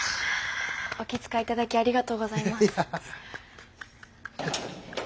お気遣い頂きありがとうございます。